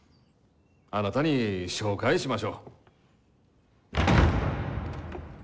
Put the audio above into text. あなたに紹介しましょう。